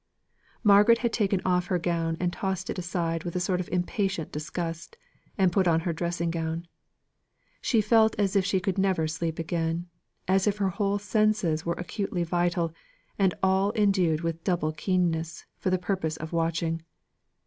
Margaret had taken off her gown and tossed it aside with a sort of impatient disgust, and put on her dressing gown. She felt as if she never could sleep again; as if her whole senses were acutely vital, and all endued with double keenness, for the purpose of watching.